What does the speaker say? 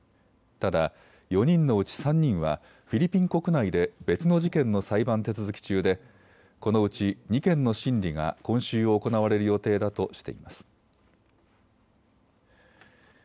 ただ４人のうち３人はフィリピン国内で別の事件の裁判手続き中でこのうち２件の審理が今週行われる予定だとしています。